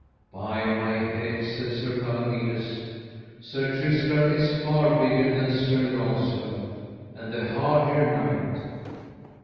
By my head, said Sir Palomides, Sir Tristram is far bigger than Sir Launcelot, and the hardier knight.